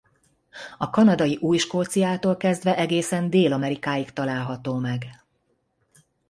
A kanadai Új-Skóciától kezdve egészen Dél-Amerikáig található meg.